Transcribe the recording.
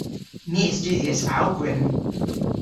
My a studhyas awgwrym.